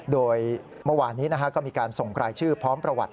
โดยเมื่อวานนี้ก็มีการส่งรายชื่อพร้อมประวัติ